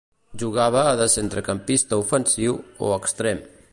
Jugava de centrecampista ofensiu o extrem.